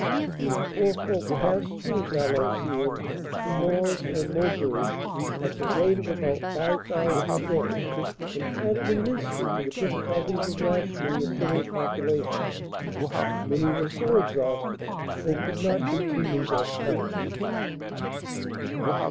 These poor folk passed through Valenciennes to Mons and Mau beuge at the rate of about 5,000 a day and added immensely to the difficulties of rationing the civil population. Many were so exhausted they could not continue their flight.